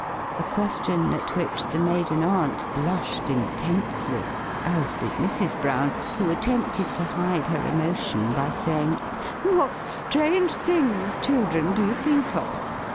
a question at which the maiden aunt blushed intensely, as did Mrs. Brown, who attempted to hide her emotion by saying, "What strange things children do think of!"